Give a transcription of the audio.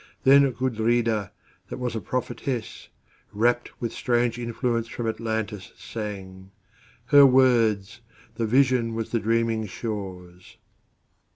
Then Gudrida, that was a prophetess, Rapt with strange influence from Atlantis, sang:Her words: the vision was the dreaming shore's.